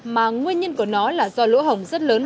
mà nguyên nhân của nó là do lỗ hồng rất lớn